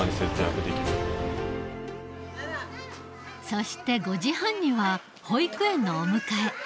そして５時半には保育園のお迎え。